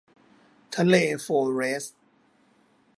ทะเลโฟลเร็ซ